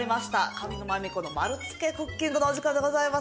「上沼恵美子の丸つけクッキング」のお時間でございます。